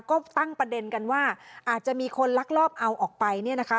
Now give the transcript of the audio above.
ก็ตั้งประเด็นกันว่าอาจจะมีคนลักลอบเอาออกไปเนี่ยนะคะ